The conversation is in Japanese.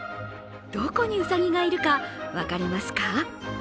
どこにうさぎがいるか分かりますか？